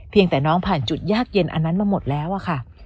แต่น้องผ่านจุดยากเย็นอันนั้นมาหมดแล้วอะค่ะ